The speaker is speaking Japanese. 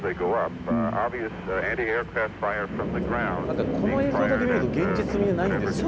何かこの映像だけ見ると現実味がないんですよね。